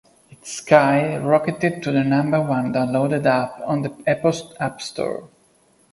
It sky rocketed to the number one downloaded app on the Apple app store.